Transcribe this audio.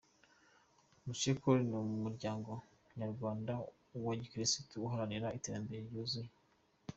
Moucecore, ni Umuryango nyarwanda wa gikirisitu uharanira iterambere ryuzuye.